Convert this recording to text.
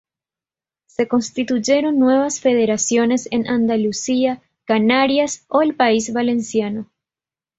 Se constituyeron nuevas federaciones en Andalucía, Canarias o el País Valenciano.